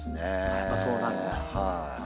やっぱそうなんだ。